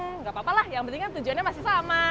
nggak apa apa lah yang pentingnya tujuannya masih sama